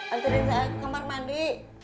aturin saya ke kamar mandi